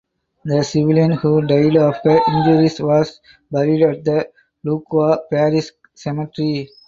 The civilian who died of her injuries was buried at the Luqa parish cemetery.